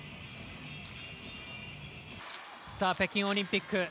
北京オリンピック